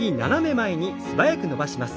腕は素早く伸ばします。